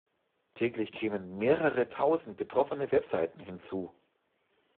Täglich kämen mehrere Tausend betroffene Webseiten hinzu.